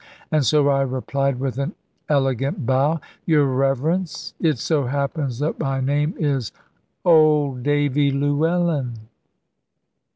And so I replied with an elegant bow "Your Reverence, it so happens that my name is 'Old Davy Llewellyn.'"